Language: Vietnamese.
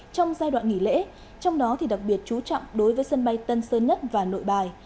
trong giai đoạn nghỉ lễ trong đó đặc biệt chú trọng đối với sân bay tân sơn nhất và nội bài